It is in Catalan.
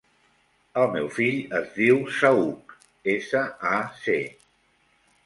El meu fill es diu Saüc: essa, a, ce.